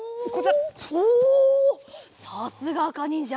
さすがあかにんじゃ！